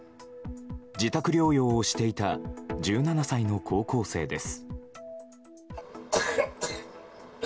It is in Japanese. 自宅療養をしていた１７歳の高校生です。